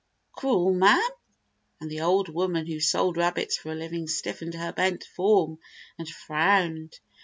"Cruel, ma'm!" And the old woman who sold rabbits for a living stiffened her bent form, and frowned.